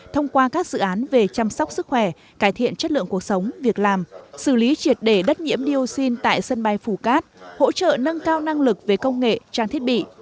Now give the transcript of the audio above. thông qua các dự án về chăm sóc sức khỏe cải thiện chất lượng cuộc sống việc làm xử lý triệt để đất nhiễm dioxin tại sân bay phú cát hỗ trợ nâng cao năng lực về công nghệ trang thiết bị